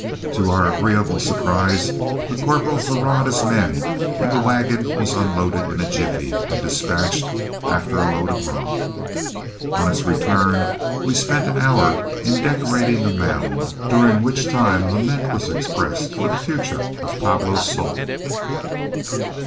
To our agreeable surprise the corporal hurrahed his men and the wagon was unloaded in a jiffy and dispatched after a load of rock. On its return, we spent an hour in decorating the mound, during which time lament was expressed for the future of Pablo's soul.